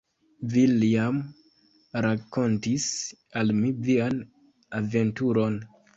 Villiam rakontis al mi vian aventuron.